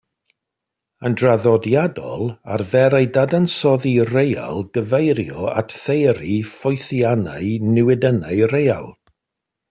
Yn draddodiadol, arferai dadansoddi real gyfeirio at theori ffwythiannau newidynnau real.